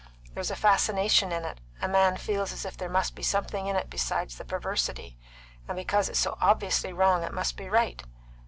There's a fascination in it; a man feels as if there must be something in it besides the perversity, and because it's so obviously wrong it must be right.